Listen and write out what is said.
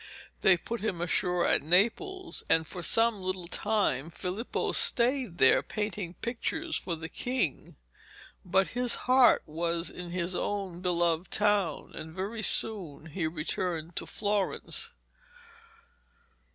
They put him ashore at Naples, and for some little time Filippo stayed there painting pictures for the king; but his heart was in his own beloved town, and very soon he returned to Florence.